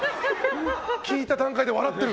聞いた段階で笑ってる！